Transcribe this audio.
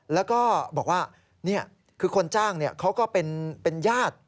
แล้วก็บอกว่านี่คือคนจ้างเขาก็เป็นญาติ